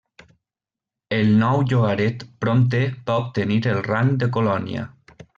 El nou llogaret prompte va obtenir el rang de colònia.